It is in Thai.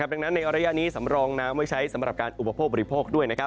ดังนั้นในระยะนี้สำรองน้ำไว้ใช้สำหรับการอุปโภคบริโภคด้วย